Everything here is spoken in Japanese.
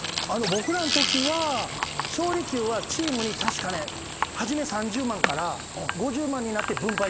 僕らのときは勝利給はチームに確かね初め３０万から５０万になって分配になりました。